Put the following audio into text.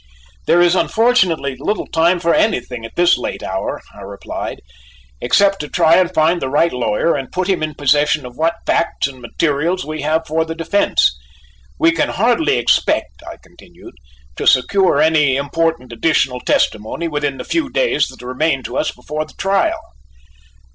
"There is unfortunately little time for anything at this late hour," I replied, "except to try and find the right lawyer, and put him in possession of what facts and materials we have for the defence. We can hardly expect," I continued, "to secure any important additional testimony within the few days that remain to us before the trial."